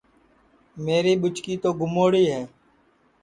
میری ٻُچکی تو گموڑی ہے